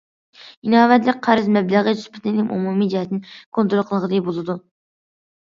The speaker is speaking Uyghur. ئىناۋەتلىك قەرز مەبلىغى سۈپىتىنى ئومۇمىي جەھەتتىن كونترول قىلغىلى بولىدۇ.